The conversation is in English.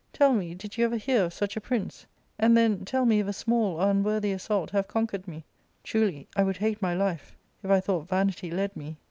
Tell me, did you ever hear of such a prince ?\ And then tell me if a small or unworthy assault have con \ quered me. Truly, I would hate my life if I thought vanity * led me.